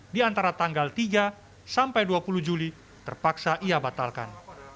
di antara tanggal tiga sampai dua puluh juli terpaksa ia batalkan